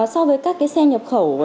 so với các xe nhập khẩu